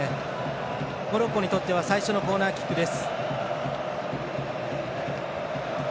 モロッコにとっては最初のコーナーキックです。